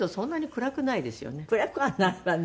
暗くはないわね。